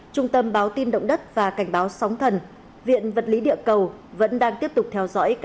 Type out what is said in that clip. trung tâm báo tin động đất và cảnh báo sóng thần viện vật lý địa cầu vẫn đang tiếp tục theo dõi các trận động đất